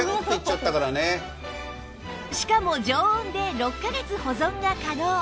しかも常温で６カ月保存が可能